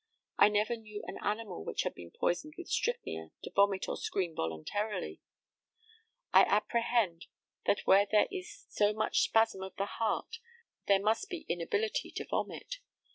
I never knew an animal which had been poisoned with strychnia to vomit or scream voluntarily. I apprehend that where there is so much spasm of the heart there must be inability to vomit.